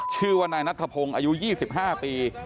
ชื่อว่านายนัทธพงศ์อายุ๒๕ปี